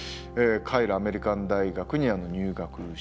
カイロ・アメリカン大学に入学しました。